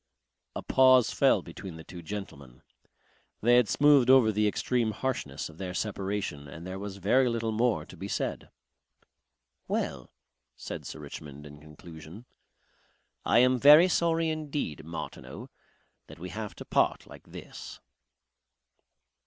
A pause fell between the two gentlemen. They had smoothed over the extreme harshness of their separation and there was very little more to be said. "Well," said Sir Richmond in conclusion, "I am very sorry indeed, Martineau, that we have to part like this."